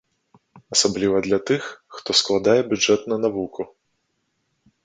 Асабліва для тых, хто складае бюджэт на навуку.